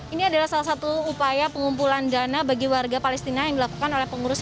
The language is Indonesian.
ini adalah salah satu upaya pengumpulan dana bagi warga palestina yang dilakukan oleh pengurus